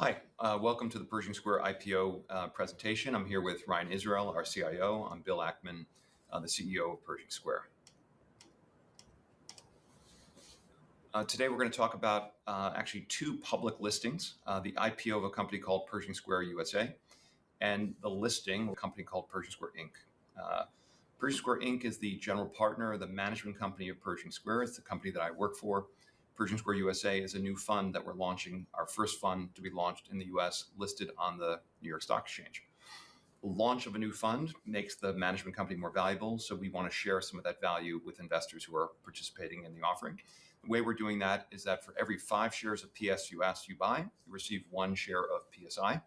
Hi, welcome to the Pershing Square IPO Presentation. I'm here with Ryan Israel, our CIO. I'm Bill Ackman, the CEO of Pershing Square. Today we're going to talk about actually two public listings. The IPO of a company called Pershing Square USA, and the listing of a company called Pershing Square Inc. Pershing Square Inc. is the general partner of the management company of Pershing Square. It's the company that I work for. Pershing Square USA is a new fund that we're launching, our first fund to be launched in the U.S., listed on the New York Stock Exchange. The launch of a new fund makes the management company more valuable, so we want to share some of that value with investors who are participating in the offering. The way we're doing that is that for every five shares of PSU you buy, you receive one share of PSI.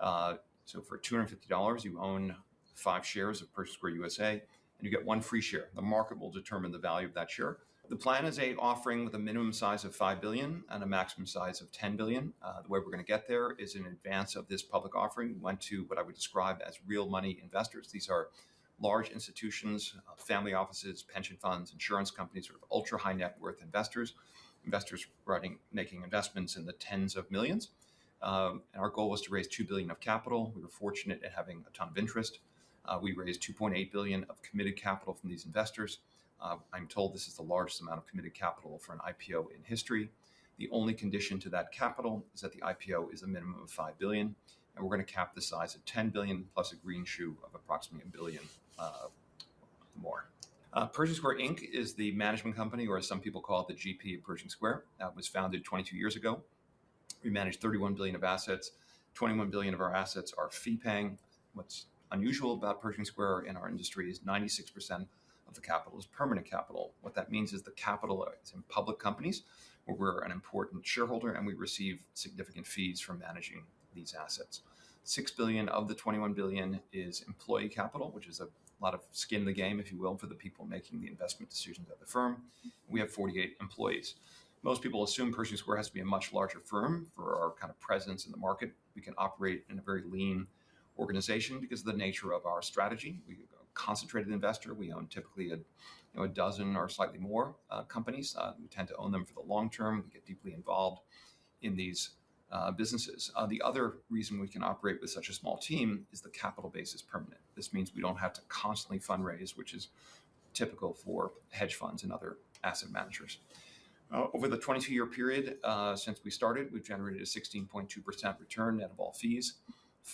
For $250, you own five shares of Pershing Square USA, and you get one free share. The market will determine the value of that share. The plan is an offering with a minimum size of $5 billion and a maximum size of $10 billion. The way we're going to get there is in advance of this public offering, we went to what I would describe as real money investors. These are large institutions, family offices, pension funds, insurance companies, sort of ultra-high net worth investors making investments in the tens of millions. Our goal was to raise $2 billion of capital. We were fortunate at having a ton of interest. We raised $2.8 billion of committed capital from these investors. I'm told this is the largest amount of committed capital for an IPO in history. The only condition to that capital is that the IPO is a minimum of $5 billion, and we're going to cap the size at $10 billion plus a greenshoe of approximately $1 billion more. Pershing Square Inc. is the management company, or as some people call it, the GP of Pershing Square. That was founded 22 years ago. We manage $31 billion of assets. $21 billion of our assets are fee-paying. What's unusual about Pershing Square in our industry is 96% of the capital is permanent capital. What that means is the capital, it's in public companies where we're an important shareholder, and we receive significant fees from managing these assets. $6 billion of the $21 billion is employee capital, which is a lot of skin in the game, if you will, for the people making the investment decisions at the firm. We have 48 employees. Most people assume Pershing Square has to be a much larger firm for our kind of presence in the market. We can operate in a very lean organization because of the nature of our strategy. We are a concentrated investor. We own typically 12 or slightly more companies. We tend to own them for the long term. We get deeply involved in these businesses. The other reason we can operate with such a small team is the capital base is permanent. This means we don't have to constantly fundraise, which is typical for hedge funds and other asset managers. Over the 22-year period since we started, we've generated a 16.2% return net of all fees.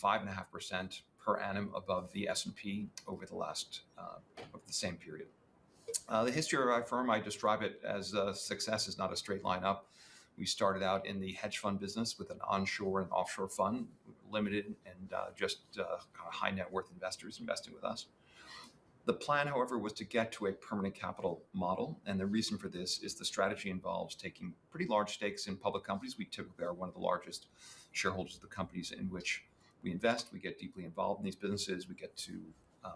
5.5% per annum above the S&P over the same period. The history of our firm, I describe it as success is not a straight line up. We started out in the hedge fund business with an onshore and offshore fund, limited and just high net worth investors investing with us. The plan, however, was to get to a permanent capital model, and the reason for this is the strategy involves taking pretty large stakes in public companies. We typically are one of the largest shareholders of the companies in which we invest. We get deeply involved in these businesses. We get to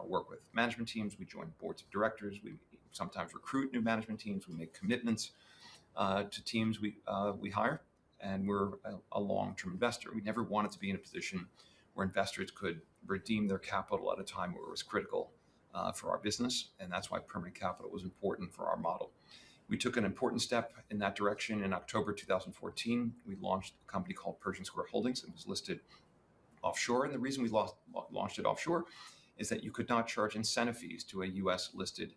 work with management teams. We join Boards of Directors. We sometimes recruit new management teams. We make commitments to teams we hire. We're a long-term investor. We never wanted to be in a position where investors could redeem their capital at a time where it was critical for our business, and that's why permanent capital was important for our model. We took an important step in that direction in October 2014. We launched a company called Pershing Square Holdings, and it was listed offshore. The reason we launched it offshore is that you could not charge incentive fees to a U.S.-listed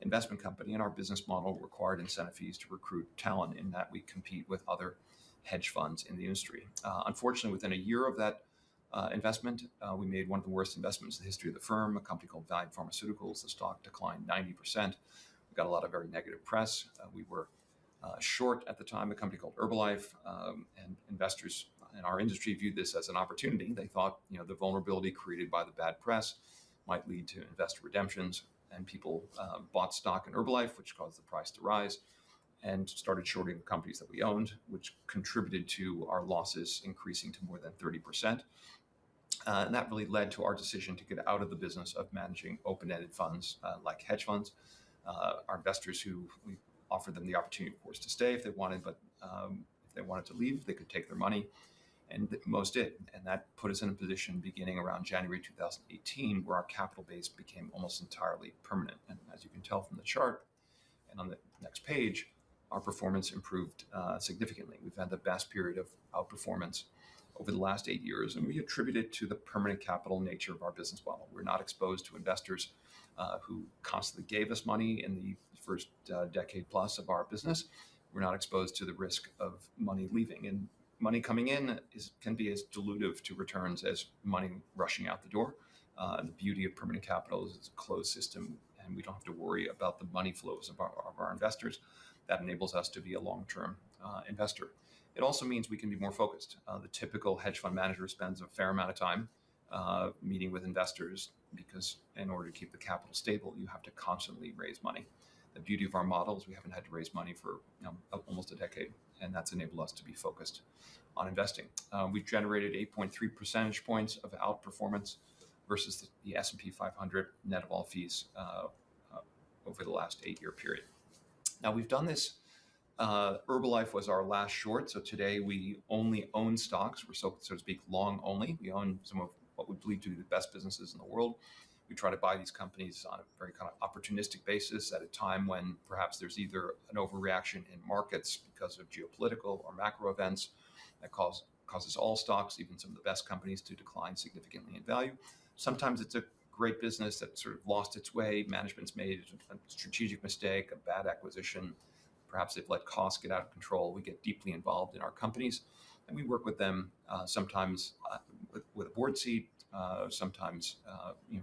investment company, and our business model required incentive fees to recruit talent in that we compete with other hedge funds in the industry. Unfortunately, within a year of that investment, we made one of the worst investments in the history of the firm, a company called Valeant Pharmaceuticals. The stock declined 90%. We got a lot of very negative press. We were short at the time a company called Herbalife, and investors in our industry viewed this as an opportunity. They thought the vulnerability created by the bad press might lead to investor redemptions. People bought stock in Herbalife, which caused the price to rise, and started shorting the companies that we owned, which contributed to our losses increasing to more than 30%. That really led to our decision to get out of the business of managing open-ended funds like hedge funds. Our investors who we offered them the opportunity, of course, to stay if they wanted, but if they wanted to leave, they could take their money, and most did. That put us in a position beginning around January 2018, where our capital base became almost entirely permanent. As you can tell from the chart and on the next page, our performance improved significantly. We've had the best period of outperformance over the last eight years, and we attribute it to the permanent capital nature of our business model. We're not exposed to investors who constantly gave us money in the first decade-plus of our business. We're not exposed to the risk of money leaving. Money coming in can be as dilutive to returns as money rushing out the door. The beauty of permanent capital is it's a closed system, and we don't have to worry about the money flows of our investors. That enables us to be a long-term investor. It also means we can be more focused. The typical hedge fund manager spends a fair amount of time meeting with investors because in order to keep the capital stable, you have to constantly raise money. The beauty of our model is we haven't had to raise money for almost a decade, and that's enabled us to be focused on investing. We've generated 8.3 percentage points of outperformance versus the S&P 500 net of all fees. Over the last eight-year period. Now we've done this. Herbalife was our last short, so today we only own stocks. We're so to speak, long only. We own some of what we believe to be the best businesses in the world. We try to buy these companies on a very opportunistic basis at a time when perhaps there's either an overreaction in markets because of geopolitical or macro events that causes all stocks, even some of the best companies, to decline significantly in value. Sometimes it's a great business that sort of lost its way. Management's made a strategic mistake, a bad acquisition. Perhaps they've let costs get out of control. We get deeply involved in our companies, and we work with them, sometimes with a Board seat, sometimes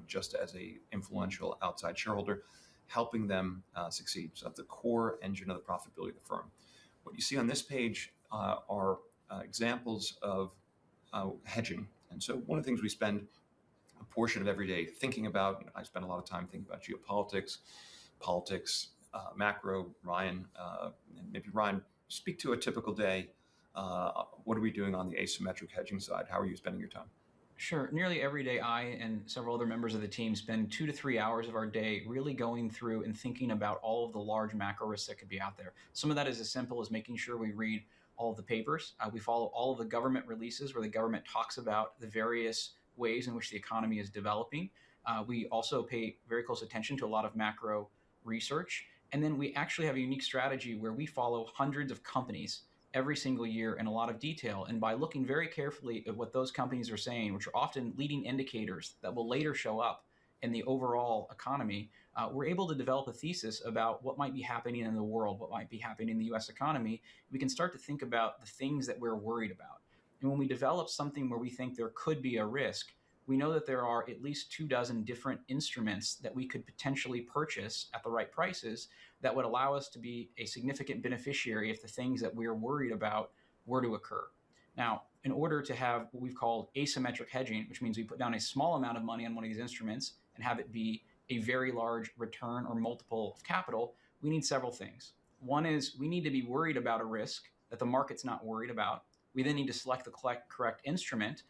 just as an influential outside shareholder, helping them succeed. That's the core engine of the profitability of the firm. What you see on this page are examples of hedging. One of the things we spend a portion of every day thinking about, I spend a lot of time thinking about geopolitics, politics, macro. Maybe Ryan, speak to a typical day. What are we doing on the asymmetric hedging side? How are you spending your time? Sure. Nearly every day, I and several other members of the team spend two to three hours of our day really going through and thinking about all of the large macro risks that could be out there. Some of that is as simple as making sure we read all of the papers. We follow all of the government releases where the government talks about the various ways in which the economy is developing. We also pay very close attention to a lot of macro research. We actually have a unique strategy where we follow hundreds of companies every single year in a lot of detail. By looking very carefully at what those companies are saying, which are often leading indicators that will later show up in the overall economy, we're able to develop a thesis about what might be happening in the world, what might be happening in the U.S. economy. We can start to think about the things that we're worried about. When we develop something where we think there could be a risk, we know that there are at least two dozen different instruments that we could potentially purchase at the right prices that would allow us to be a significant beneficiary if the things that we're worried about were to occur. Now, in order to have what we call asymmetric hedging, which means we put down a small amount of money on one of these instruments and have it be a very large return or multiple of capital, we need several things. One is we need to be worried about a risk that the market's not worried about. We then need to select the correct instrument,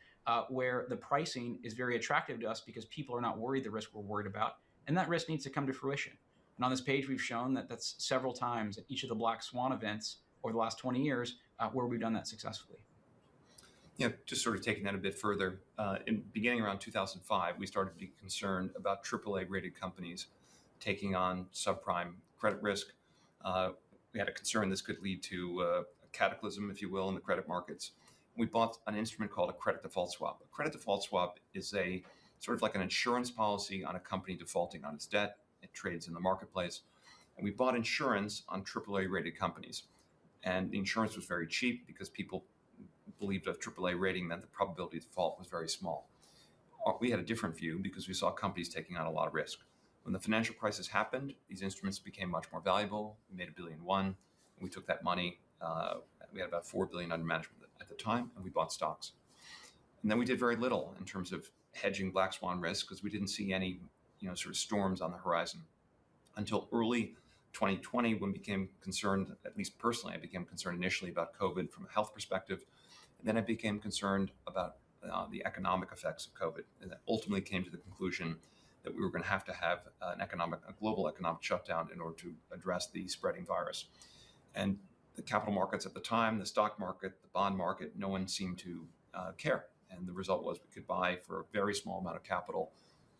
where the pricing is very attractive to us because people are not worried, the risk we're worried about. And that risk needs to come to fruition. On this page, we've shown that that's several times at each of the black swan events over the last 20 years, where we've done that successfully. Just sort of taking that a bit further. Beginning around 2005, we started to be concerned about AAA-rated companies taking on subprime credit risk. We had a concern this could lead to a cataclysm, if you will, in the credit markets. We bought an instrument called a credit default swap. A credit default swap is sort of like an insurance policy on a company defaulting on its debt. It trades in the marketplace. We bought insurance on AAA-rated companies. The insurance was very cheap because people believed with AAA rating that the probability of default was very small. We had a different view because we saw companies taking on a lot of risk. When the financial crisis happened, these instruments became much more valuable. We made $1 billion and $1, and we took that money. We had about $4 billion under management at the time, and we bought stocks. We did very little in terms of hedging black swan risk because we didn't see any sort of storms on the horizon until early 2020 when we became concerned, at least personally, I became concerned initially about COVID from a health perspective. I became concerned about the economic effects of COVID, and then ultimately came to the conclusion that we were going to have to have a global economic shutdown in order to address the spreading virus. The capital markets at the time, the stock market, the bond market, no one seemed to care. The result was we could buy for a very small amount of capital,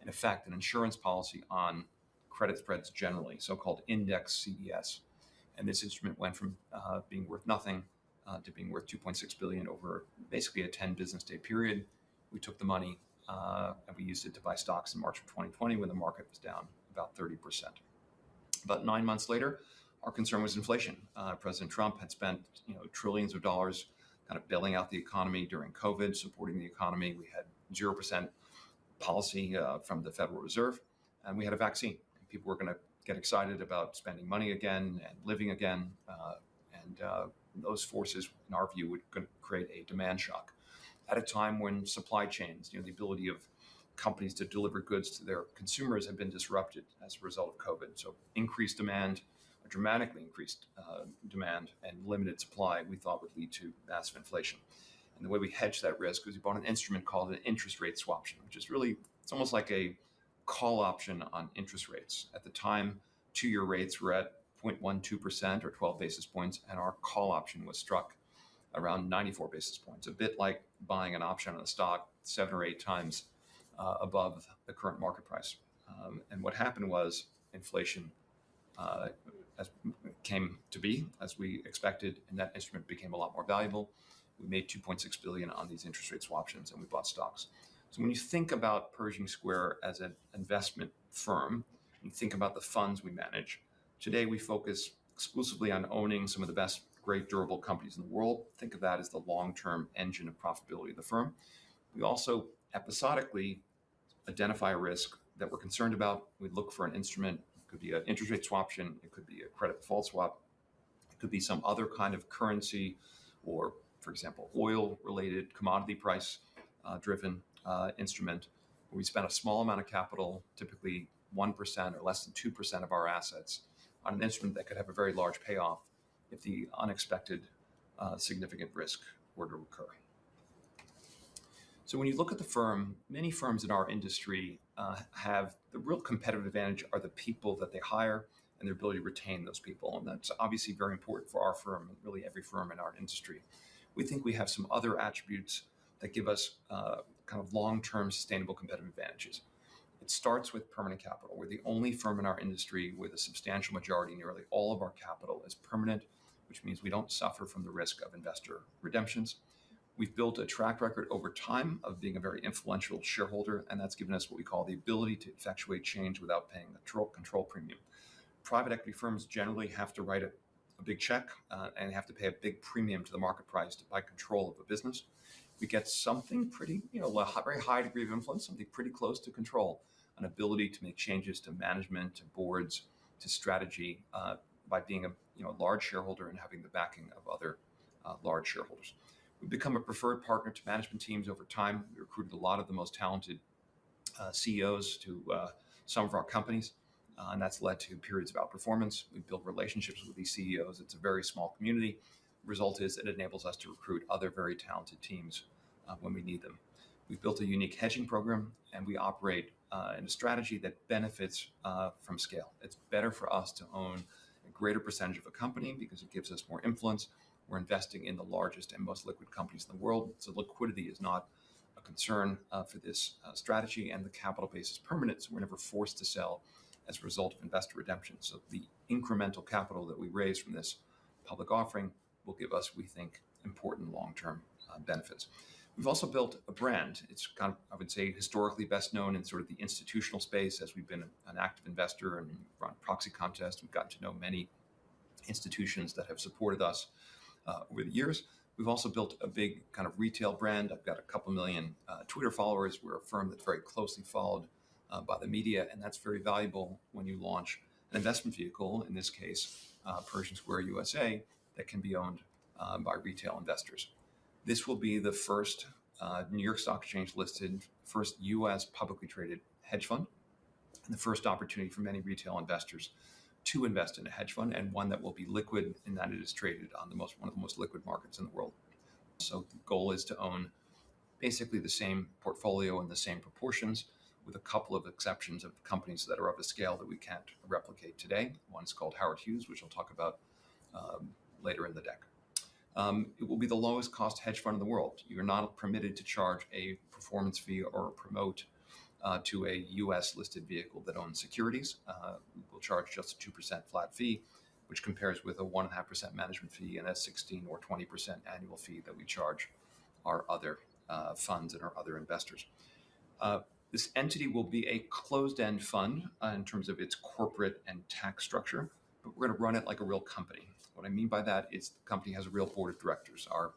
in effect, an insurance policy on credit spreads generally, so-called index CDS. This instrument went from being worth nothing to being worth $2.6 billion over basically a 10-business-day period. We took the money, and we used it to buy stocks in March of 2020 when the market was down about 30%. About nine months later, our concern was inflation. President Trump had spent trillions of dollars bailing out the economy during COVID, supporting the economy. We had 0% policy from the Federal Reserve. We had a vaccine, and people were going to get excited about spending money again and living again. Those forces, in our view, were going to create a demand shock at a time when supply chains, the ability of companies to deliver goods to their consumers, had been disrupted as a result of COVID. Increased demand or dramatically increased demand and limited supply, we thought would lead to massive inflation. The way we hedged that risk was we bought an instrument called an interest rate swaption, which is really almost like a call option on interest rates. At the time, two-year rates were at 0.12% or 12 basis points, and our call option was struck around 94 basis points. A bit like buying an option on a stock 7x or 8x above the current market price. What happened was inflation came to be as we expected, and that instrument became a lot more valuable. We made $2.6 billion on these interest rate swaptions, and we bought stocks. When you think about Pershing Square as an investment firm and think about the funds we manage, today we focus exclusively on owning some of the best, great, durable companies in the world. Think of that as the long-term engine of profitability of the firm. We also episodically identify a risk that we're concerned about. We look for an instrument. It could be an interest rate swaption. It could be a credit default swap. It could be some other kind of currency or, for example, oil-related commodity price-driven instrument, where we spend a small amount of capital, typically 1% or less than 2% of our assets, on an instrument that could have a very large payoff if the unexpected, significant risk were to occur. When you look at the firm, many firms in our industry have the real competitive advantage are the people that they hire and their ability to retain those people, and that's obviously very important for our firm and really every firm in our industry. We think we have some other attributes that give us kind of long-term sustainable competitive advantages. It starts with permanent capital. We're the only firm in our industry with a substantial majority. Nearly all of our capital is permanent, which means we don't suffer from the risk of investor redemptions. We've built a track record over time of being a very influential shareholder, and that's given us what we call the ability to effectuate change without paying the control premium. Private equity firms generally have to write a big check, and have to pay a big premium to the market price to buy control of a business. We get a very high degree of influence, something pretty close to control, an ability to make changes to management, to Boards, to strategy, by being a large shareholder and having the backing of other large shareholders. We've become a preferred partner to management teams over time. We recruited a lot of the most talented CEOs to some of our companies. That's led to periods of outperformance. We've built relationships with these CEOs. It's a very small community. Result is it enables us to recruit other very talented teams when we need them. We've built a unique hedging program, and we operate in a strategy that benefits from scale. It's better for us to own a greater percentage of a company because it gives us more influence. We're investing in the largest and most liquid companies in the world. Liquidity is not a concern for this strategy, and the capital base is permanent, so we're never forced to sell as a result of investor redemptions. The incremental capital that we raise from this public offering will give us, we think, important long-term benefits. We've also built a brand. It's kind of, I would say, historically best known in sort of the institutional space as we've been an active investor and run proxy contests. We've gotten to know many institutions that have supported us over the years. We've also built a big retail brand. I've got 2 million Twitter followers. We're a firm that's very closely followed by the media, and that's very valuable when you launch an investment vehicle, in this case, Pershing Square USA, that can be owned by retail investors. This will be the first New York Stock Exchange-listed, first U.S. publicly traded hedge fund, and the first opportunity for many retail investors to invest in a hedge fund, and one that will be liquid in that it is traded on one of the most liquid markets in the world. The goal is to own basically the same portfolio in the same proportions, with a couple of exceptions of companies that are of a scale that we can't replicate today. One's called Howard Hughes, which I'll talk about later in the deck. It will be the lowest-cost hedge fund in the world. You're not permitted to charge a performance fee or a promote to a U.S.-listed vehicle that owns securities. We will charge just a 2% flat fee, which compares with a 1.5% management fee and a 16% or 20% annual fee that we charge our other funds and our other investors. This entity will be a closed-end fund in terms of its corporate and tax structure. We're going to run it like a real company. What I mean by that is the company has a real Board of Directors. Our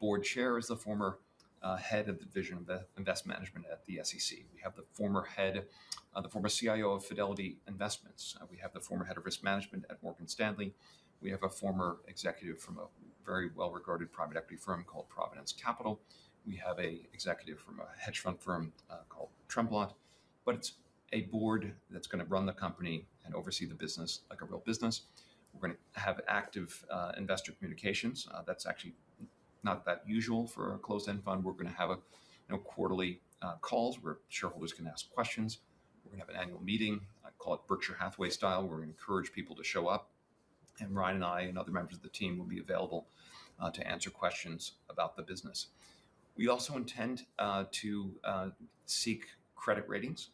Board Chair is the former head of Division of Investment Management at the SEC. We have the former CIO of Fidelity Investments. We have the former Head of Risk Management at Morgan Stanley. We have a former executive from a very well-regarded private equity firm called Providence Capital. We have an executive from a hedge fund firm called Tremblant. It's a Board that's going to run the company and oversee the business like a real business. We're going to have active investor communications. That's actually not that usual for a closed-end fund. We're going to have quarterly calls where shareholders can ask questions. We're going to have an annual meeting. I call it Berkshire Hathaway style, where we encourage people to show up, and Ryan and I, and other members of the team will be available to answer questions about the business. We also intend to seek credit ratings.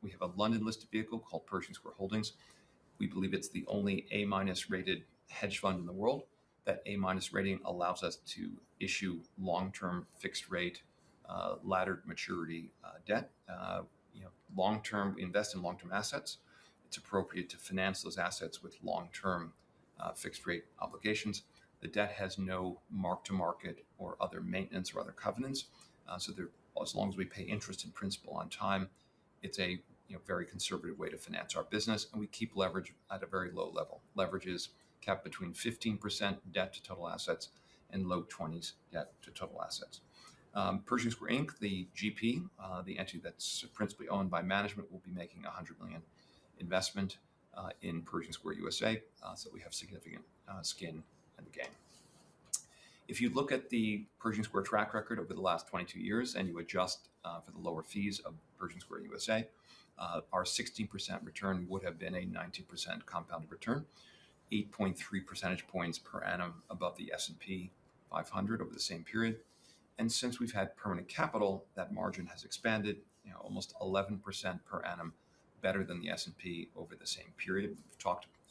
We have a London-listed vehicle called Pershing Square Holdings. We believe it's the only A- rated hedge fund in the world. That A- rating allows us to issue long-term fixed-rate laddered maturity debt. We invest in long-term assets. It's appropriate to finance those assets with long-term fixed-rate obligations. The debt has no mark-to-market or other maintenance or other covenants. As long as we pay interest and principal on time, it's a very conservative way to finance our business, and we keep leverage at a very low level. Leverage is capped between 15% debt to total assets and low 20% debt to total assets. Pershing Square Inc, the GP, the entity that's principally owned by management, will be making $100 million investment in Pershing Square USA. We have significant skin in the game. If you look at the Pershing Square track record over the last 22 years, and you adjust for the lower fees of Pershing Square USA, our 16% return would have been a 90% compounded return, 8.3 percentage points per annum above the S&P 500 over the same period. Since we've had permanent capital, that margin has expanded almost 11% per annum better than the S&P over the same period. We've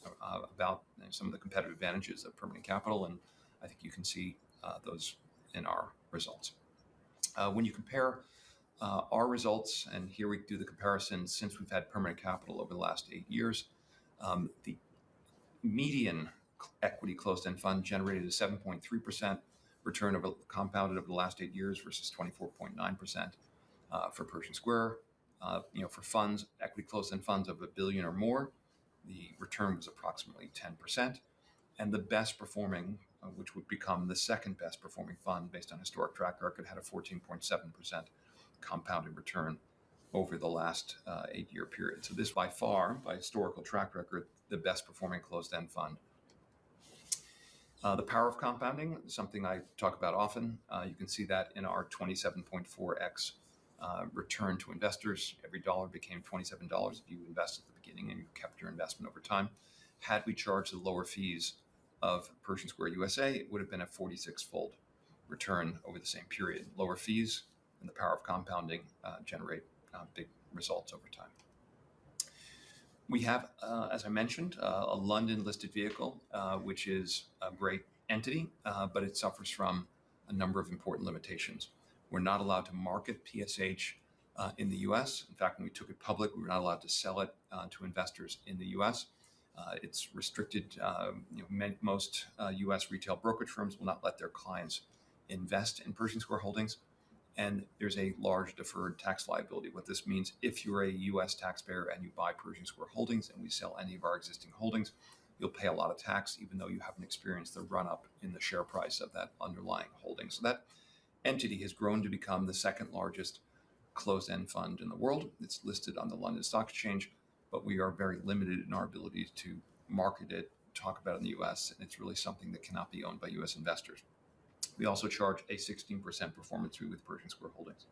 talked about some of the competitive advantages of permanent capital, and I think you can see those in our results. When you compare our results, and here we do the comparison since we've had permanent capital over the last eight years, the median equity closed-end fund generated a 7.3% return compounded over the last eight years versus 24.9% for Pershing Square. For equity closed-end funds of $1 billion or more, the return was approximately 10%. The best performing, which would become the second-best performing fund based on historic track record, had a 14.7% compounded return over the last eight-year period. This is by far, by historical track record, the best performing closed-end fund. The power of compounding is something I talk about often. You can see that in our 27.4x return to investors. Every dollar became $27 if you invest at the beginning and you kept your investment over time. Had we charged the lower fees of Pershing Square USA, it would've been a 46-fold return over the same period. Lower fees and the power of compounding generate big results over time. We have, as I mentioned, a London-listed vehicle, which is a great entity, but it suffers from a number of important limitations. We're not allowed to market PSH in the U.S. In fact, when we took it public, we were not allowed to sell it to investors in the U.S. It's restricted. Most U.S. retail brokerage firms will not let their clients invest in Pershing Square Holdings, and there's a large deferred tax liability. What this means, if you are a U.S. taxpayer and you buy Pershing Square Holdings, and we sell any of our existing holdings, you'll pay a lot of tax, even though you haven't experienced the run-up in the share price of that underlying holding. That entity has grown to become the second-largest closed-end fund in the world. It's listed on the London Stock Exchange, but we are very limited in our ability to market it, talk about it in the U.S., and it's really something that cannot be owned by U.S. investors. We also charge a 16% performance fee with Pershing Square Holdings.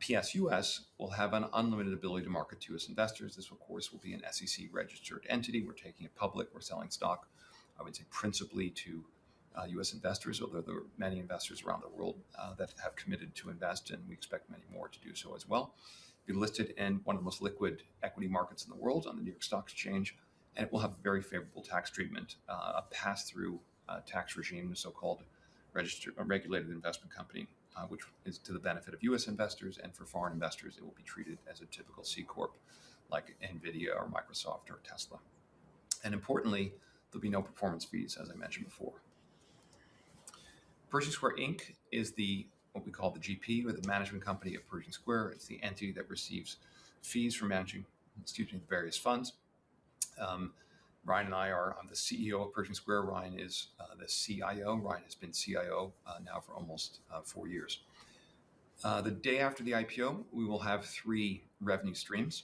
PSUS will have an unlimited ability to market to its investors. This, of course, will be an SEC-registered entity. We're taking it public. We're selling stock, I would say principally to U.S. investors, although there are many investors around the world that have committed to invest, and we expect many more to do so as well. It'll be listed in one of the most liquid equity markets in the world on the New York Stock Exchange. It will have very favorable tax treatment, a pass-through tax regime, the so-called regulated investment company, which is to the benefit of U.S. investors. For foreign investors, it will be treated as a typical C corp like NVIDIA or Microsoft or Tesla. Importantly, there'll be no performance fees, as I mentioned before. Pershing Square Inc. is what we call the GP or the management company of Pershing Square. It's the entity that receives fees for managing its various funds. I'm the CEO of Pershing Square. Ryan is the CIO. Ryan has been CIO now for almost four years. The day after the IPO, we will have three revenue streams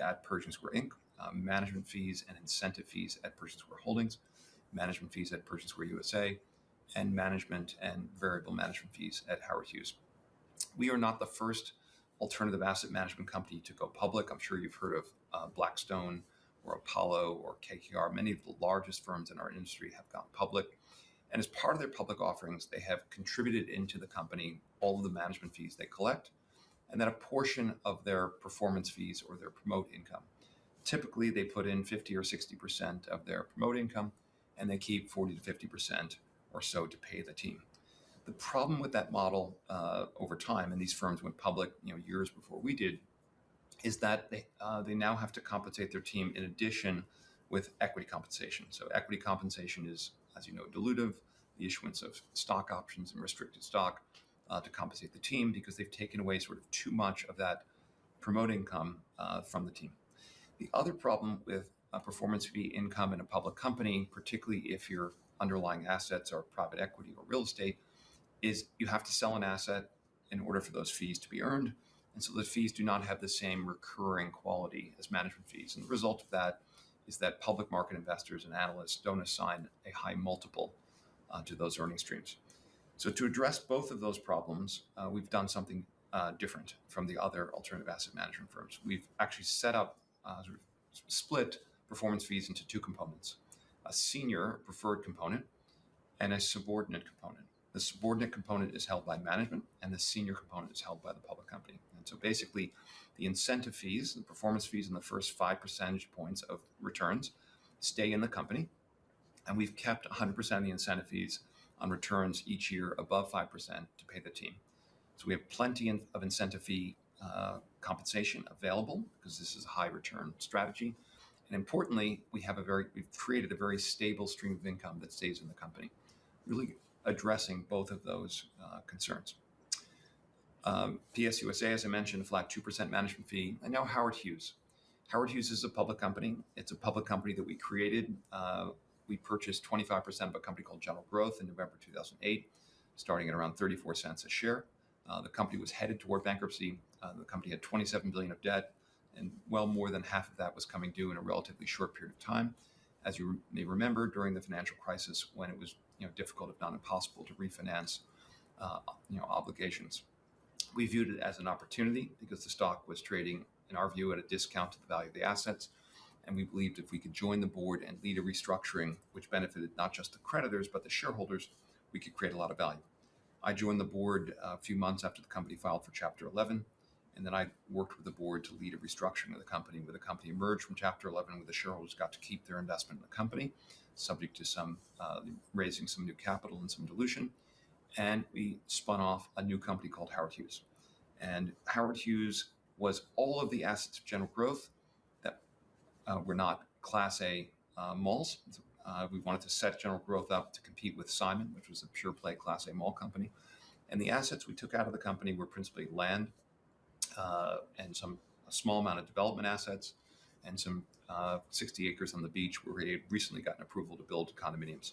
at Pershing Square Inc: management fees and incentive fees at Pershing Square Holdings, management fees at Pershing Square USA, and management and variable management fees at Howard Hughes. We are not the first alternative asset management company to go public. I'm sure you've heard of Blackstone or Apollo or KKR. Many of the largest firms in our industry have gone public. As part of their public offerings, they have contributed into the company all of the management fees they collect, and then a portion of their performance fees or their promote income. Typically, they put in 50% or 60% of their promote income, and they keep 40%-50% or so to pay the team. The problem with that model over time, and these firms went public years before we did, is that they now have to compensate their team in addition with equity compensation. Equity compensation is, as you know, dilutive, the issuance of stock options and restricted stock, to compensate the team because they've taken away sort of too much of that promote income from the team. The other problem with a performance fee income in a public company, particularly if your underlying assets are private equity or real estate, is you have to sell an asset in order for those fees to be earned. The fees do not have the same recurring quality as management fees. The result of that is that public market investors and analysts don't assign a high multiple to those earnings streams. To address both of those problems, we've done something different from the other alternative asset management firms. We've actually set up, sort of split performance fees into two components, a senior preferred component and a subordinate component. The subordinate component is held by management, and the senior component is held by the public company. Basically, the incentive fees, the performance fees, and the first five percentage points of returns stay in the company. We've kept 100% of the incentive fees on returns each year above 5% to pay the team. We have plenty of incentive fee compensation available because this is a high-return strategy. Importantly, we've created a very stable stream of income that stays in the company, really addressing both of those concerns. PSUS, as I mentioned, a flat 2% management fee, and now Howard Hughes. Howard Hughes is a public company. It's a public company that we created. We purchased 25% of a company called General Growth in November 2008, starting at around $0.34 a share. The company was headed toward bankruptcy. The company had $27 billion of debt, and well more than half of that was coming due in a relatively short period of time. As you may remember, during the financial crisis when it was difficult, if not impossible, to refinance obligations. We viewed it as an opportunity because the stock was trading, in our view, at a discount to the value of the assets. We believed if we could join the Board and lead a restructuring which benefited not just the creditors but the shareholders, we could create a lot of value. I joined the Board a few months after the company filed for Chapter 11, and then I worked with the Board to lead a restructuring of the company, where the company emerged from Chapter 11, where the shareholders got to keep their investment in the company, subject to raising some new capital and some dilution. We spun off a new company called Howard Hughes. Howard Hughes was all of the assets of General Growth that were not Class A malls. We wanted to set General Growth up to compete with Simon, which was a pure-play Class A mall company. The assets we took out of the company were principally land, and a small amount of development assets, and some 60 acres on the beach where we had recently gotten approval to build condominiums.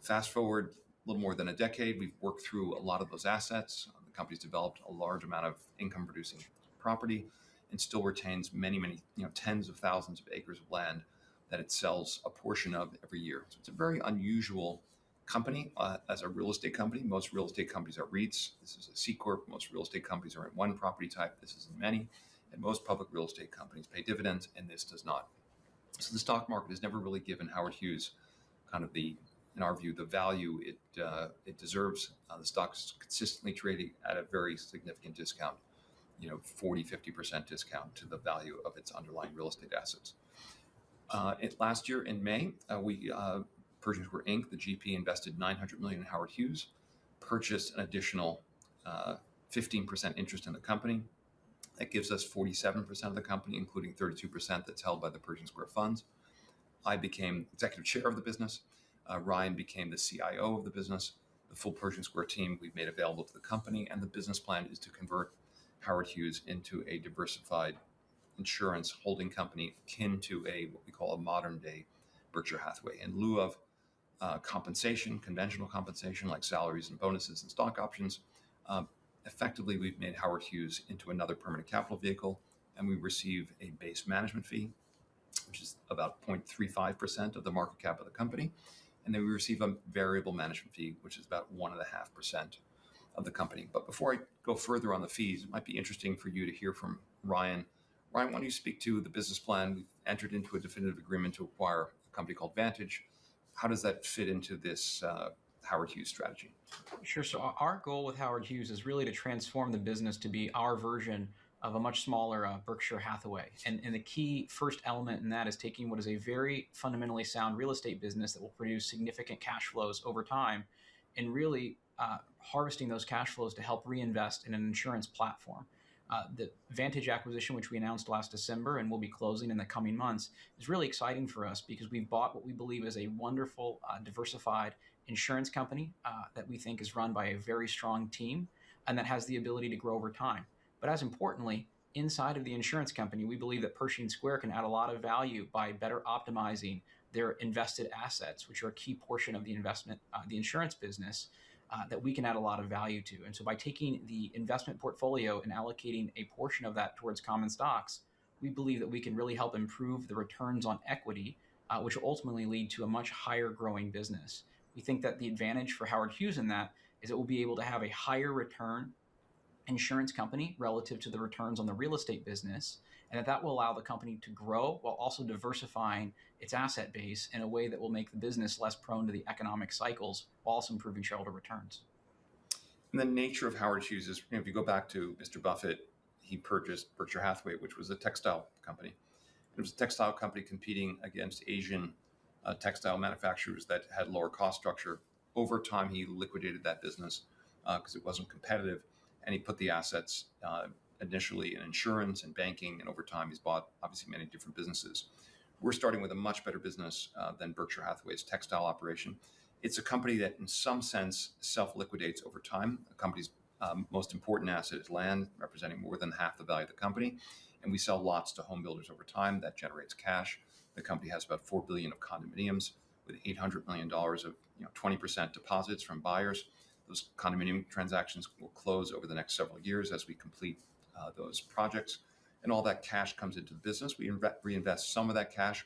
Fast forward a little more than a decade, we've worked through a lot of those assets. The company's developed a large amount of income-producing property and still retains many tens of thousands of acres of land that it sells a portion of every year. It's a very unusual company as a real estate company. Most real estate companies are REITs. This is a C corp. Most real estate companies are in one property type. This is in many. Most public real estate companies pay dividends, and this does not. The stock market has never really given Howard Hughes kind of the, in our view, the value it deserves. The stock's consistently trading at a very significant discount, 40%-50% discount to the value of its underlying real estate assets. Last year in May, we, Pershing Square Inc., the GP, invested $900 million in Howard Hughes, purchased an additional 15% interest in the company. That gives us 47% of the company, including 32% that's held by the Pershing Square funds. I became executive chair of the business. Ryan became the CIO of the business. The full Pershing Square team we've made available to the company, and the business plan is to convert Howard Hughes into a diversified insurance holding company, akin to what we call a modern-day Berkshire Hathaway. In lieu of compensation, conventional compensation like salaries and bonuses and stock options, effectively, we've made Howard Hughes into another permanent capital vehicle, and we receive a base management fee, which is about 0.35% of the market cap of the company. Then we receive a variable management fee, which is about 1.5% of the company. Before I go further on the fees, it might be interesting for you to hear from Ryan. Ryan, why don't you speak to the business plan? We've entered into a definitive agreement to acquire a company called Vantage. How does that fit into this Howard Hughes strategy? Sure. Our goal with Howard Hughes is really to transform the business to be our version of a much smaller Berkshire Hathaway. The key first element in that is taking what is a very fundamentally sound real estate business that will produce significant cash flows over time and really harvesting those cash flows to help reinvest in an insurance platform. The Vantage acquisition, which we announced last December and will be closing in the coming months, is really exciting for us because we bought what we believe is a wonderful, diversified insurance company that we think is run by a very strong team and that has the ability to grow over time. As importantly, inside of the insurance company, we believe that Pershing Square can add a lot of value by better optimizing their invested assets, which are a key portion of the insurance business that we can add a lot of value to. By taking the investment portfolio and allocating a portion of that towards common stocks, we believe that we can really help improve the returns on equity, which will ultimately lead to a much higher growing business. We think that the advantage for Howard Hughes in that is it will be able to have a higher return insurance company relative to the returns on the real estate business, and that will allow the company to grow while also diversifying its asset base in a way that will make the business less prone to the economic cycles, while also improving shareholder returns. The nature of Howard Hughes is if you go back to Mr. Buffett, he purchased Berkshire Hathaway, which was a textile company. It was a textile company competing against Asian textile manufacturers that had lower cost structure. Over time, he liquidated that business because it wasn't competitive, and he put the assets initially in insurance and banking. Over time, he's bought obviously many different businesses. We're starting with a much better business than Berkshire Hathaway's textile operation. It's a company that in some sense self-liquidates over time. The company's most important asset is land, representing more than half the value of the company, and we sell lots to home builders over time. That generates cash. The company has about $4 billion of condominiums with $800 million of 20% deposits from buyers. Those condominium transactions will close over the next several years as we complete those projects. All that cash comes into the business. We reinvest some of that cash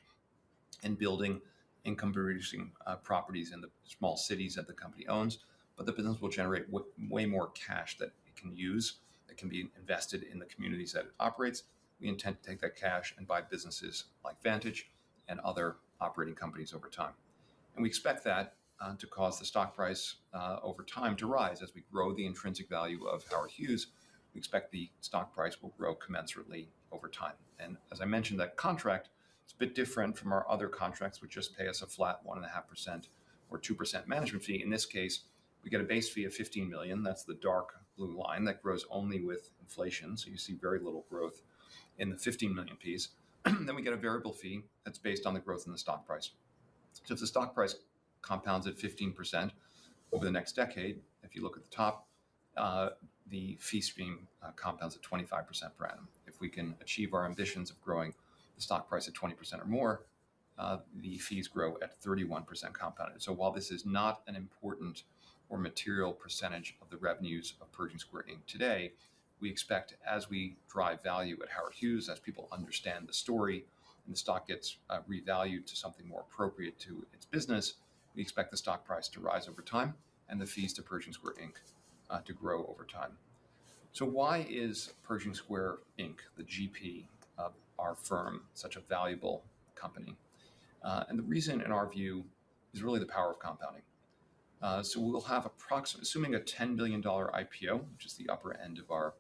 in building income-producing properties in the small cities that the company owns. The business will generate way more cash than it can use, that can be invested in the communities that it operates. We intend to take that cash and buy businesses like Vantage and other operating companies over time. We expect that to cause the stock price over time to rise. As we grow the intrinsic value of Howard Hughes, we expect the stock price will grow commensurately over time. As I mentioned, that contract is a bit different from our other contracts, which just pay us a flat 1.5% or 2% management fee. In this case, we get a base fee of $15 million. That's the dark blue line. That grows only with inflation. You see very little growth in the $15 million piece. We get a variable fee that's based on the growth in the stock price. If the stock price compounds at 15% over the next decade, if you look at the top, the fee stream compounds at 25% per annum. If we can achieve our ambitions of growing the stock price at 20% or more, the fees grow at 31% compounded. While this is not an important or material percentage of the revenues of Pershing Square Inc. Today, we expect as we drive value at Howard Hughes, as people understand the story and the stock gets revalued to something more appropriate to its business, we expect the stock price to rise over time and the fees to Pershing Square Inc. to grow over time. Why is Pershing Square Inc, the GP of our firm, such a valuable company? The reason, in our view, is really the power of compounding. We will have approximately, assuming a $10 billion IPO, which is the upper end of our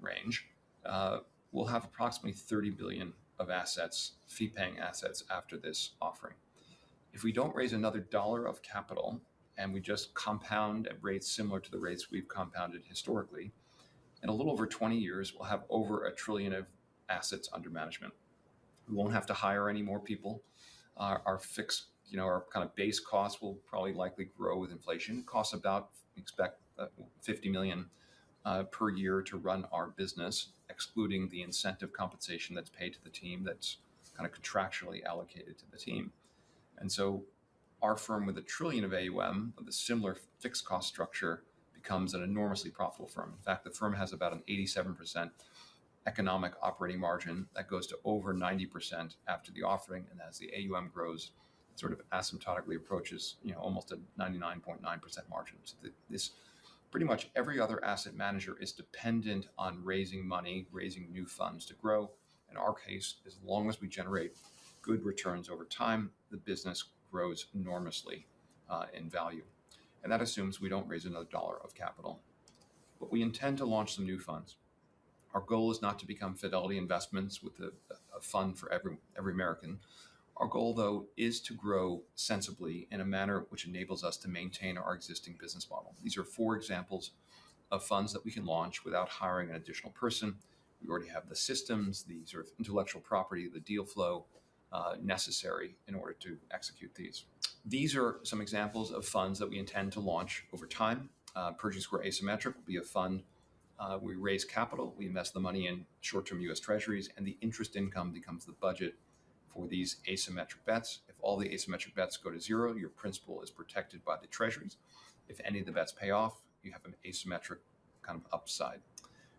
range, $30 billion of assets, fee-paying assets after this offering. If we don't raise another dollar of capital and we just compound at rates similar to the rates we've compounded historically, in a little over 20 years, we'll have over $1 trillion of assets under management. We won't have to hire any more people. Our kind of base costs will probably likely grow with inflation. It costs about, we expect, $50 million per year to run our business, excluding the incentive compensation that's paid to the team, that's kind of contractually allocated to the team. Our firm with 1 trillion of AUM with a similar fixed cost structure becomes an enormously profitable firm. In fact, the firm has about an 87% economic operating margin that goes to over 90% after the offering. As the AUM grows, it sort of asymptotically approaches almost a 99.9% margin. Pretty much every other asset manager is dependent on raising money, raising new funds to grow. In our case, as long as we generate good returns over time, the business grows enormously in value. That assumes we don't raise another dollar of capital. We intend to launch some new funds. Our goal is not to become Fidelity Investments with a fund for every American. Our goal, though, is to grow sensibly in a manner which enables us to maintain our existing business model. These are four examples of funds that we can launch without hiring an additional person. We already have the systems, the sort of intellectual property, the deal flow necessary in order to execute these. These are some examples of funds that we intend to launch over time. Pershing Square Asymmetric will be a fund. We raise capital. We invest the money in short-term U.S. Treasuries, and the interest income becomes the budget for these asymmetric bets. If all the asymmetric bets go to zero, your principal is protected by the Treasuries. If any of the bets pay off, you have an asymmetric kind of upside.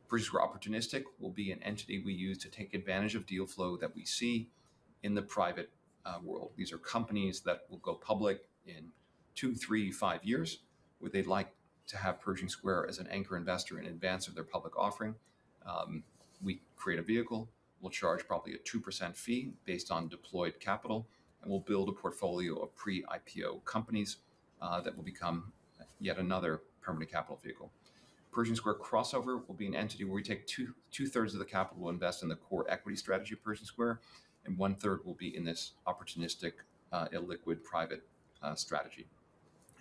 Pershing Square Opportunistic will be an entity we use to take advantage of deal flow that we see in the private world. These are companies that will go public in two, three, five years, where they'd like to have Pershing Square as an anchor investor in advance of their public offering. We create a vehicle. We'll charge probably a 2% fee based on deployed capital, and we'll build a portfolio of pre-IPO companies that will become yet another permanent capital vehicle. Pershing Square Crossover will be an entity where we take 2/3 of the capital to invest in the core equity strategy of Pershing Square and 1/3 will be in this opportunistic, illiquid private strategy.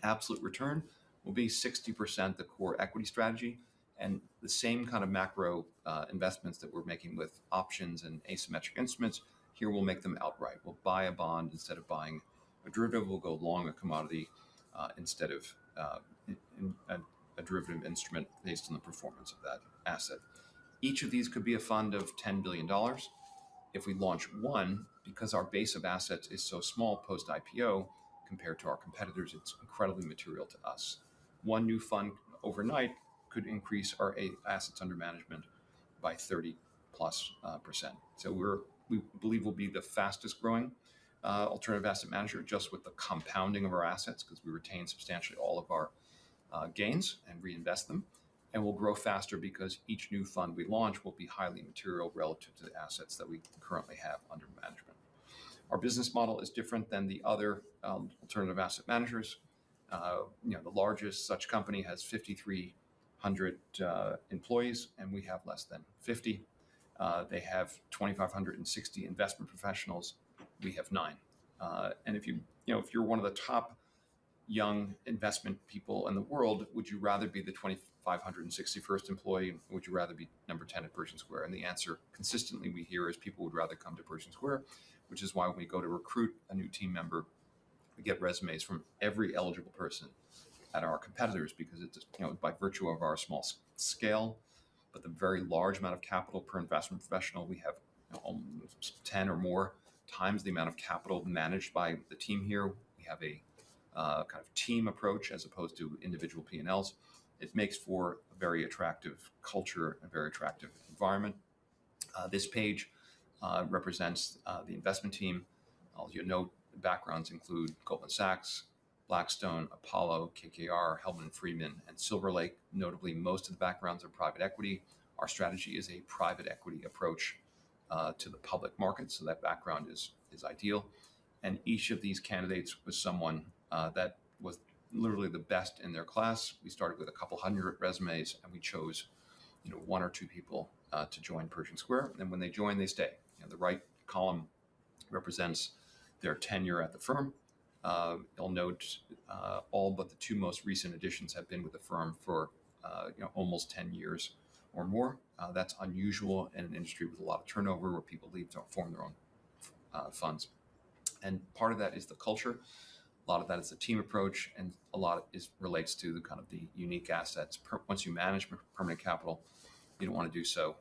Absolute Return will be 60% the core equity strategy and the same kind of macro investments that we're making with options and asymmetric instruments. Here, we'll make them outright. We'll buy a bond instead of buying a derivative. We'll go long a commodity instead of a derivative instrument based on the performance of that asset. Each of these could be a fund of $10 billion. If we launch one, because our base of assets is so small post-IPO compared to our competitors, it's incredibly material to us. One new fund overnight could increase our assets under management by 30%+. We believe we'll be the fastest-growing alternative asset manager just with the compounding of our assets because we retain substantially all of our gains and reinvest them. We'll grow faster because each new fund we launch will be highly material relative to the assets that we currently have under management. Our business model is different than the other alternative asset managers. The largest such company has 5,300 employees, and we have less than 50. They have 2,560 investment professionals. We have nine. If you're one of the top young investment people in the world, would you rather be the 2,561st employee or would you rather be number 10 at Pershing Square? The answer consistently we hear is people would rather come to Pershing Square, which is why when we go to recruit a new team member, we get resumes from every eligible person at our competitors because by virtue of our small scale, but the very large amount of capital per investment professional. We have 10 or more times the amount of capital managed by the team here. We have a kind of team approach as opposed to individual P&Ls. It makes for a very attractive culture and a very attractive environment. This page represents the investment team. I'll let you know the backgrounds include Goldman Sachs, Blackstone, Apollo, KKR, Hellman & Friedman, and Silver Lake. Notably, most of the backgrounds are private equity. Our strategy is a private equity approach to the public market, so that background is ideal. Each of these candidates was someone that was literally the best in their class. We started with a couple hundred resumes, and we chose one or two people to join Pershing Square. When they join, they stay. The right column represents their tenure at the firm. You'll note all but the two most recent additions have been with the firm for almost 10 years or more. That's unusual in an industry with a lot of turnover where people leave to form their own funds. Part of that is the culture. A lot of that is the team approach, and a lot relates to the unique assets. Once you manage permanent capital, you don't want to do so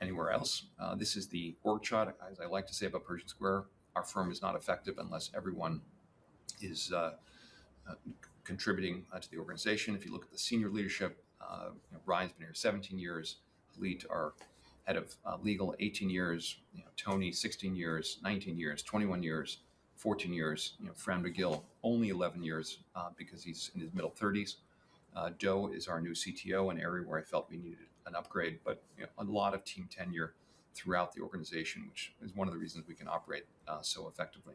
anywhere else. This is the org chart. As I like to say about Pershing Square, our firm is not effective unless everyone is contributing to the organization. If you look at the senior leadership, Brian's been here 17 years. Elise, our Head of Legal, 18 years. Tony, 16 years. 19 years. 21 years. 14 years. Fran McGill, only 11 years because he's in his middle 30s. Joe is our new CTO, an area where I felt we needed an upgrade. A lot of team tenure throughout the organization, which is one of the reasons we can operate so effectively.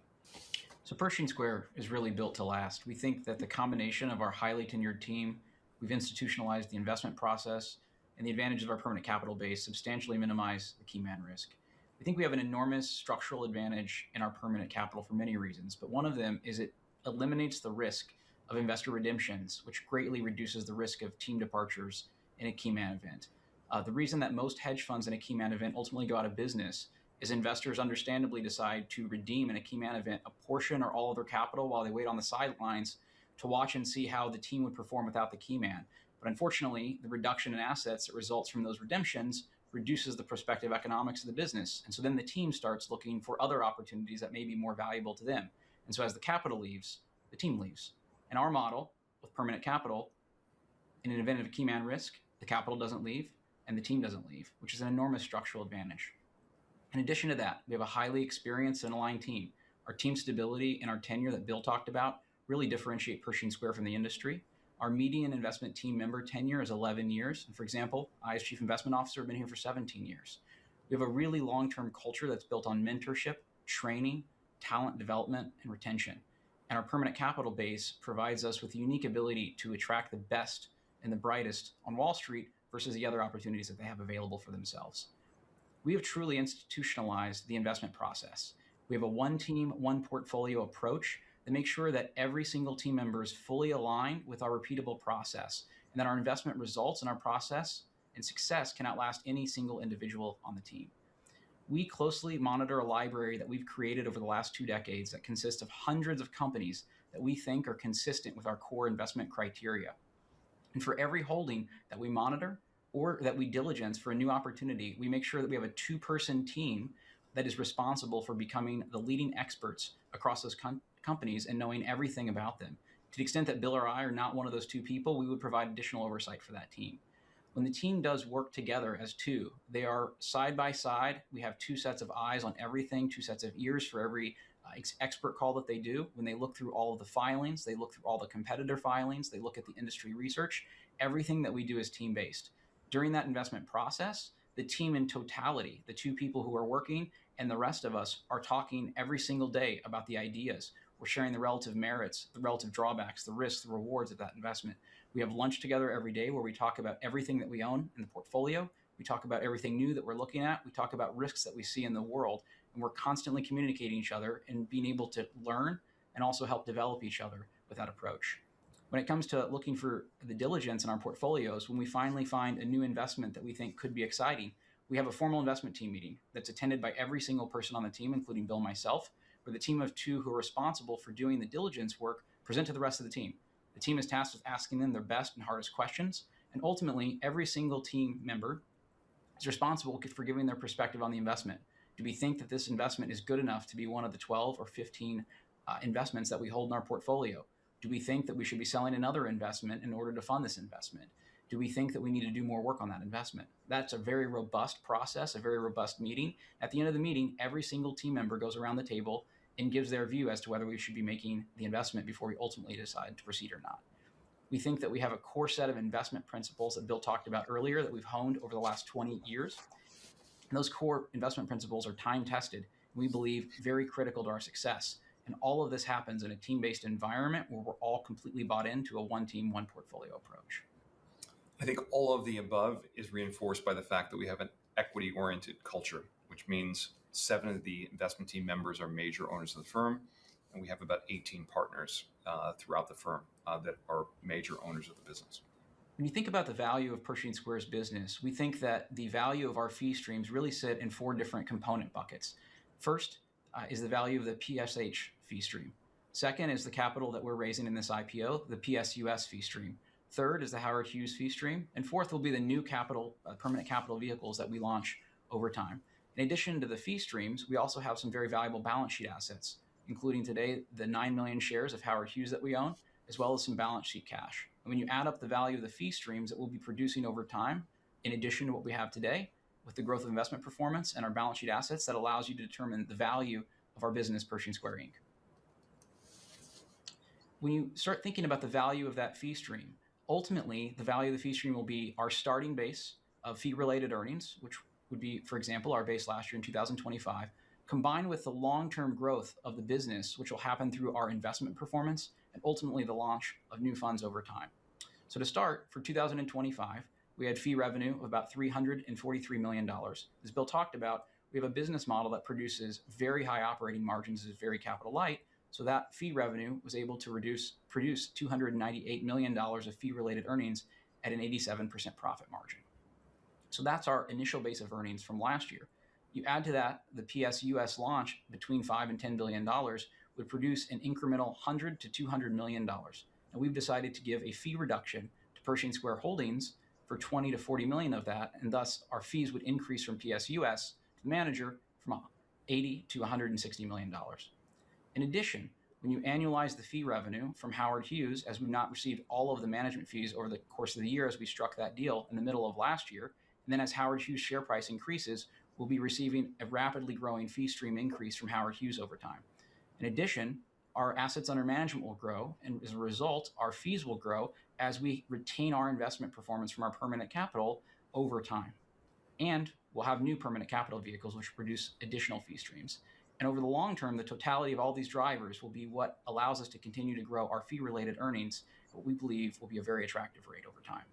Pershing Square is really built to last. We think that the combination of our highly tenured team, we've institutionalized the investment process, and the advantage of our permanent capital base substantially minimize the key man risk. We think we have an enormous structural advantage in our permanent capital for many reasons. One of them is it eliminates the risk of investor redemptions, which greatly reduces the risk of team departures in a key man event. The reason that most hedge funds in a key man event ultimately go out of business is investors understandably decide to redeem in a key man event a portion or all of their capital while they wait on the sidelines to watch and see how the team would perform without the key man. Unfortunately, the reduction in assets that results from those redemptions reduces the prospective economics of the business. The team starts looking for other opportunities that may be more valuable to them. As the capital leaves, the team leaves. In our model with permanent capital, in an event of a key man risk, the capital doesn't leave and the team doesn't leave, which is an enormous structural advantage. In addition to that, we have a highly experienced and aligned team. Our team stability and our tenure that Bill talked about really differentiate Pershing Square from the industry. Our median investment team member tenure is 11 years. For example, I, as Chief Investment Officer, have been here for 17 years. We have a really long-term culture that's built on mentorship, training, talent development, and retention. Our permanent capital base provides us with the unique ability to attract the best and the brightest on Wall Street versus the other opportunities that they have available for themselves. We have truly institutionalized the investment process. We have a one team, one portfolio approach that makes sure that every single team member is fully aligned with our repeatable process, and that our investment results and our process and success can outlast any single individual on the team. We closely monitor a library that we've created over the last two decades that consists of hundreds of companies that we think are consistent with our core investment criteria. For every holding that we monitor or that we diligence for a new opportunity, we make sure that we have a two-person team that is responsible for becoming the leading experts across those companies and knowing everything about them. To the extent that Bill or I are not one of those two people, we would provide additional oversight for that team. When the team does work together as two, they are side by side. We have two sets of eyes on everything, two sets of ears for every expert call that they do. When they look through all of the filings, they look through all the competitor filings, they look at the industry research. Everything that we do is team-based. During that investment process, the team in totality, the two people who are working and the rest of us are talking every single day about the ideas. We're sharing the relative merits, the relative drawbacks, the risks, the rewards of that investment. We have lunch together every day where we talk about everything that we own in the portfolio. We talk about everything new that we're looking at. We talk about risks that we see in the world, and we're constantly communicating with each other and being able to learn and also help develop each other with that approach. When it comes to looking for the diligence in our portfolios, when we finally find a new investment that we think could be exciting, we have a formal investment team meeting that's attended by every single person on the team, including Bill and myself, where the team of two who are responsible for doing the diligence work present to the rest of the team. The team is tasked with asking them their best and hardest questions, and ultimately, every single team member is responsible for giving their perspective on the investment. Do we think that this investment is good enough to be one of the 12 or 15 investments that we hold in our portfolio? Do we think that we should be selling another investment in order to fund this investment? Do we think that we need to do more work on that investment? That's a very robust process, a very robust meeting. At the end of the meeting, every single team member goes around the table and gives their view as to whether we should be making the investment before we ultimately decide to proceed or not. We think that we have a core set of investment principles that Bill talked about earlier that we've honed over the last 20 years, and those core investment principles are time-tested, and we believe very critical to our success. All of this happens in a team-based environment where we're all completely bought into a one team, one portfolio approach. I think all of the above is reinforced by the fact that we have an equity-oriented culture. Which means seven of the investment team members are major owners of the firm, and we have about 18 partners throughout the firm that are major owners of the business. When you think about the value of Pershing Square's business, we think that the value of our fee streams really sit in four different component buckets. First is the value of the PSH fee stream. Second is the capital that we're raising in this IPO, the PSUS fee stream. Third is the Howard Hughes fee stream, and fourth will be the new capital, permanent capital vehicles that we launch over time. In addition to the fee streams, we also have some very valuable balance sheet assets, including today the 9 million shares of Howard Hughes that we own, as well as some balance sheet cash. When you add up the value of the fee streams that we'll be producing over time, in addition to what we have today, with the growth of investment performance and our balance sheet assets, that allows you to determine the value of our business, Pershing Square Inc. When you start thinking about the value of that fee stream, ultimately, the value of the fee stream will be our starting base of fee-related earnings, which would be, for example, our base last year in 2025, combined with the long-term growth of the business, which will happen through our investment performance and ultimately the launch of new funds over time. To start, for 2025, we had fee revenue of about $343 million. As Bill talked about, we have a business model that produces very high operating margins, is very capital light, so that fee revenue was able to produce $298 million of fee-related earnings at an 87% profit margin. That's our initial base of earnings from last year. You add to that the PSUS launch between $5 billion-$10 billion, would produce an incremental $100 million-$200 million. Now we've decided to give a fee reduction to Pershing Square Holdings for $20 million-$40 million of that, and thus our fees would increase from PSUS to the manager from $80 million-$160 million. In addition, when you annualize the fee revenue from Howard Hughes, as we've not received all of the management fees over the course of the year as we struck that deal in the middle of last year, and then as Howard Hughes' share price increases, we'll be receiving a rapidly growing fee stream increase from Howard Hughes over time. In addition, our assets under management will grow, and as a result, our fees will grow as we retain our investment performance from our permanent capital over time. We'll have new permanent capital vehicles which produce additional fee streams. Over the long term, the totality of all these drivers will be what allows us to continue to grow our fee-related earnings at what we believe will be a very attractive rate over time.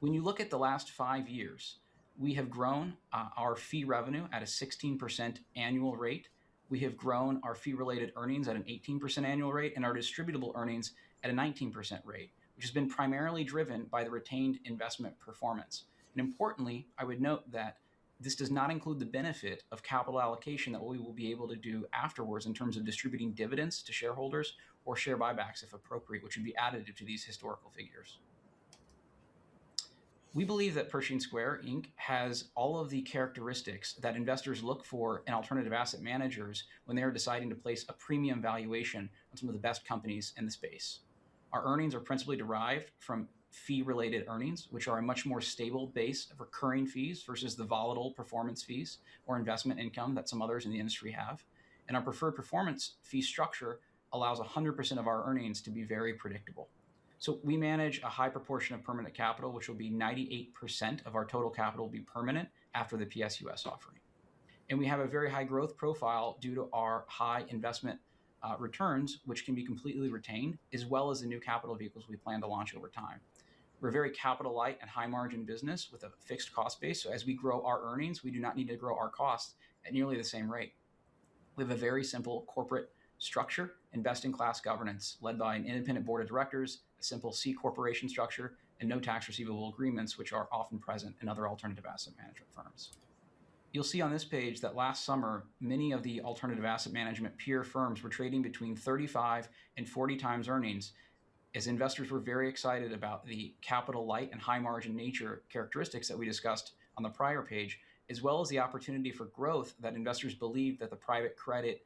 When you look at the last five years, we have grown our fee revenue at a 16% annual rate. We have grown our fee-related earnings at an 18% annual rate and our distributable earnings at a 19% rate, which has been primarily driven by the retained investment performance. Importantly, I would note that this does not include the benefit of capital allocation that we will be able to do afterwards in terms of distributing dividends to shareholders or share buybacks if appropriate, which would be additive to these historical figures. We believe that Pershing Square Inc has all of the characteristics that investors look for in alternative asset managers when they are deciding to place a premium valuation on some of the best companies in the space. Our earnings are principally derived from fee-related earnings, which are a much more stable base of recurring fees versus the volatile performance fees or investment income that some others in the industry have. Our preferred performance fee structure allows 100% of our earnings to be very predictable. We manage a high proportion of permanent capital, which will be 98% of our total capital, will be permanent after the PSUS offering. We have a very high growth profile due to our high investment returns, which can be completely retained, as well as the new capital vehicles we plan to launch over time. We're a very capital-light and high-margin business with a fixed cost base, so as we grow our earnings, we do not need to grow our costs at nearly the same rate. We have a very simple corporate structure, investment-class governance led by an independent Board of Directors, a simple C corporation structure, and no tax receivable agreements, which are often present in other alternative asset management firms. You'll see on this page that last summer, many of the alternative asset management peer firms were trading between 35x and 40x earnings, as investors were very excited about the capital-light and high-margin nature characteristics that we discussed on the prior page, as well as the opportunity for growth that investors believed that the private credit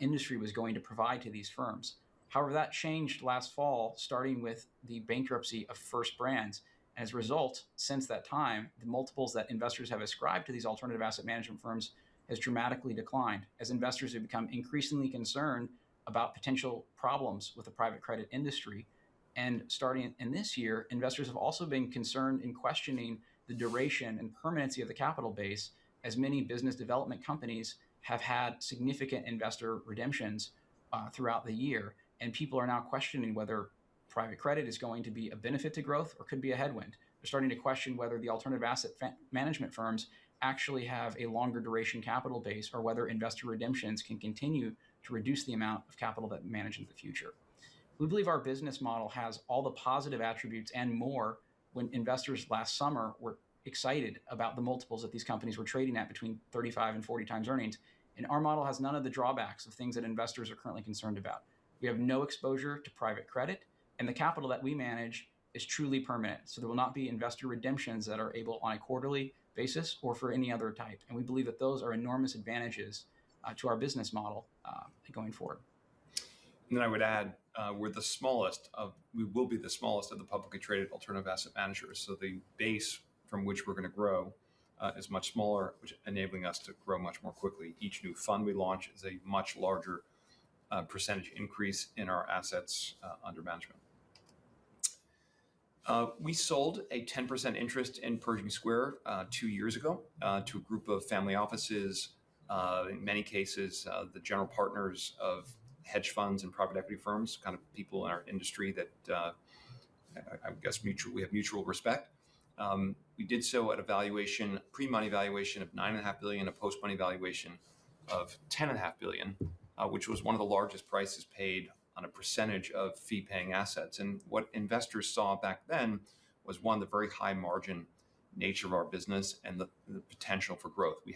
industry was going to provide to these firms. However, that changed last fall, starting with the bankruptcy of First Brands Group. As a result, since that time, the multiples that investors have ascribed to these alternative asset management firms has dramatically declined as investors have become increasingly concerned about potential problems with the private credit industry. Starting in this year, investors have also been concerned in questioning the duration and permanency of the capital base, as many business development companies have had significant investor redemptions throughout the year, and people are now questioning whether private credit is going to be a benefit to growth or could be a headwind. They're starting to question whether the alternative asset management firms actually have a longer duration capital base or whether investor redemptions can continue to reduce the amount of capital that manages the future. We believe our business model has all the positive attributes and more when investors last summer were excited about the multiples that these companies were trading at between 35x and 40x earnings. Our model has none of the drawbacks of things that investors are currently concerned about. We have no exposure to private credit, and the capital that we manage is truly permanent, so there will not be investor redemptions that are able on a quarterly basis or for any other type. We believe that those are enormous advantages to our business model going forward. I would add, we will be the smallest of the publicly traded alternative asset managers. The base from which we're going to grow is much smaller, which enables us to grow much more quickly. Each new fund we launch is a much larger percentage increase in our assets under management. We sold a 10% interest in Pershing Square two years ago to a group of family offices, in many cases the general partners of hedge funds and private equity firms, people in our industry that I guess we have mutual respect. We did so at a pre-money valuation of $9.5 billion, a post-money valuation of $10.5 billion, which was one of the largest prices paid on a percentage of fee-paying assets. What investors saw back then was, one, the very high margin nature of our business and the potential for growth. We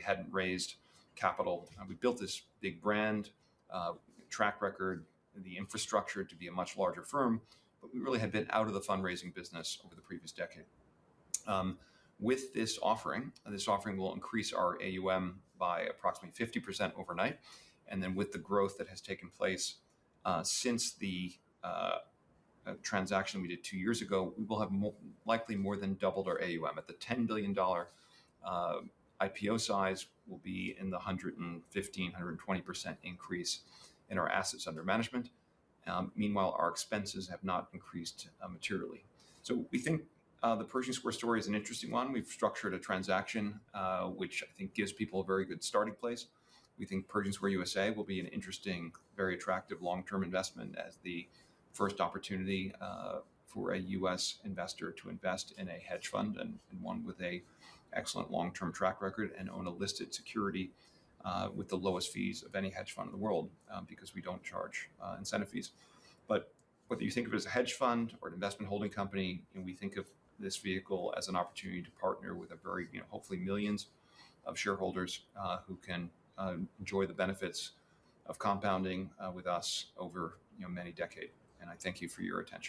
hadn't raised capital. We built this big brand, track record, the infrastructure to be a much larger firm, but we really had been out of the fundraising business over the previous decade. With this offering will increase our AUM by approximately 50% overnight. Then with the growth that has taken place since the transaction we did two years ago, we will have likely more than doubled our AUM. At the $10 billion IPO size, we'll be in the 115%-120% increase in our assets under management. Meanwhile, our expenses have not increased materially. We think the Pershing Square story is an interesting one. We've structured a transaction, which I think gives people a very good starting place. We think Pershing Square USA will be an interesting, very attractive long-term investment as the first opportunity for a U.S. investor to invest in a hedge fund, and one with an excellent long-term track record and own a listed security with the lowest fees of any hedge fund in the world, because we don't charge incentive fees. Whether you think of it as a hedge fund or an investment holding company, and we think of this vehicle as an opportunity to partner with hopefully millions of shareholders who can enjoy the benefits of compounding with us over many decades. I thank you for your attention.